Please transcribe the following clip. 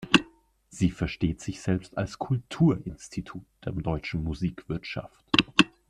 Sie versteht sich selbst als Kulturinstitut der Deutschen Musikwirtschaft.